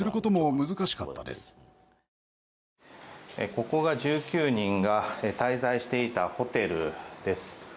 ここが１９人が滞在していたホテルです。